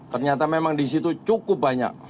ternyata memang disitu cukup banyak